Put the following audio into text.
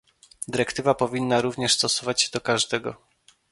Dyrektywa powinna również stosować się do każdego